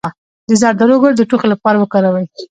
د زردالو ګل د ټوخي لپاره وکاروئ